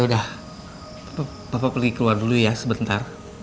yaudah papa pergi keluar dulu ya sebentar